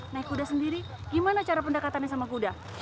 naik kuda sendiri gimana cara pendekatannya sama kuda